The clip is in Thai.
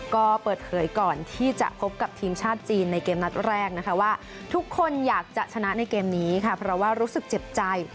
ก็เปิดเผยก่อนที่จะพบกับทีมชาติจีนในเกมนัดแรกนะคะว่าทุกคนอยากจะชนะในเกมนี้ค่ะเพราะว่ารู้สึกเจ็บใจ